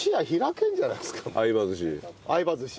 相葉寿司。